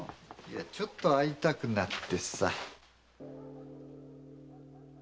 ちょっと会いたくなってさ。